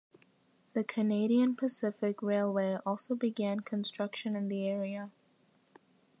The Canadian Pacific Railway also began construction in the area.